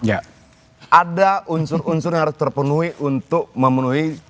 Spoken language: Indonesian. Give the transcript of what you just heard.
ya ada unsur unsur yang harus terpenuhi untuk memenuhi